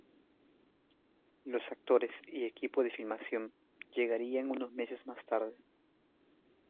Los actores y equipo de filmación llegarían unos meses más tarde.